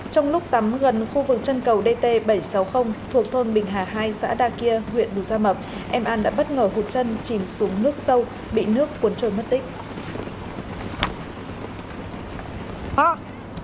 trong lúc tắm gần khu vực chân cầu dt bảy trăm sáu mươi thuộc thôn bình hà hai xã đa kia huyện bù gia mập em an đã bất ngờ hụt chân chìm xuống nước sâu bị nước cuốn trôi mất tích